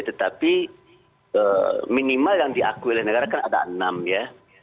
tetapi minimal yang diakui oleh negara kan ada enam ya